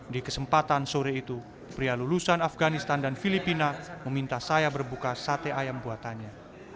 di kesempatan sore itu pria lulusan afganistan dan filipina meminta saya berbuka sate ayam buatannya